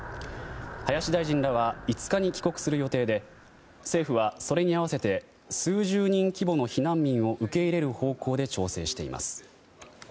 林大臣らは５日に帰国する予定で政府はそれに合わせて数十人規模の避難民を受け入れる方向で調整しています。